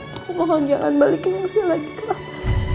aku mohon jangan balikin elsa lagi ke apa